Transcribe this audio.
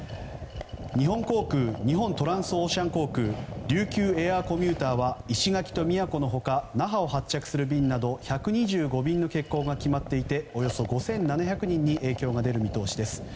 日本航空日本トランスオーシャン航空琉球エアーコミューターは石垣と宮古の他那覇を発着する便など１２５便の欠航が決まっていておよそ５７００人に影響が出る見通しです。